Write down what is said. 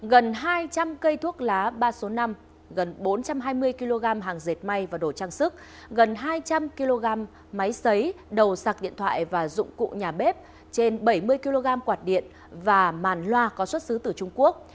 gần hai trăm linh cây thuốc lá ba số năm gần bốn trăm hai mươi kg hàng dệt may và đồ trang sức gần hai trăm linh kg máy xấy đầu sạc điện thoại và dụng cụ nhà bếp trên bảy mươi kg quạt điện và màn loa có xuất xứ từ trung quốc